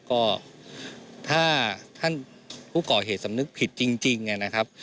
ก็ถ้าท่านผู้ก่อเหตุสำนึกผิดจริงนะครับ